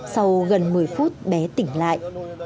sau gần một mươi phút bé tỉnh lại